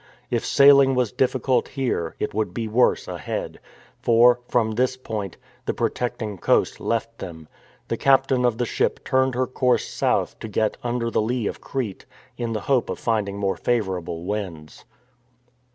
If sailing was difficult here, it would be worse ahead, for, from this point, the protecting coast left them. The captain of the ship turned her course south to get under the lee of Crete, in the hope of finding more favourable winds.